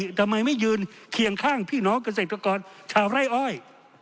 ทำไมไม่ยืนเคียงข้างพี่น้องเกษตรกรชาวไร่อ้อย